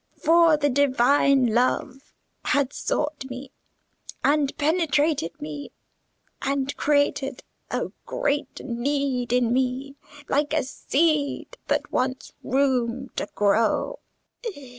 For the Divine love had sought me, and penetrated me, and created a great need in me; like a seed that wants room to grow.